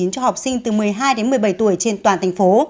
cho học sinh từ một mươi hai đến một mươi bảy tuổi trên toàn thành phố